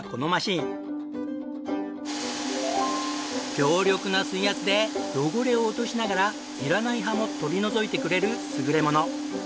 強力な水圧で汚れを落としながらいらない葉も取り除いてくれる優れもの。